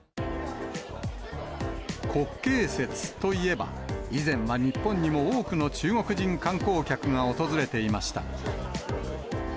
国慶節といえば、以前は日本にも多くの中国人観光客が訪れていました。